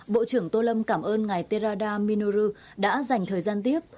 bộ trưởng tô lâm cảm ơn ngài téra minoru đã dành thời gian tiếp